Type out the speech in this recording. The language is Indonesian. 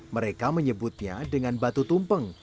mereka menyebutnya dengan batu tumpeng